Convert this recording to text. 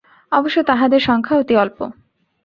অবশ্য তাঁহাদের সংখ্যা অতি অল্প।